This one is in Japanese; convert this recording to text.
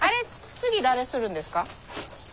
次誰するんですか？